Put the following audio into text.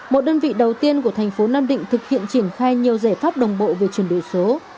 một đơn vị đầu tiên của thành phố nam định thực hiện triển khai nhiều giải pháp đồng bộ về chuyển đổi số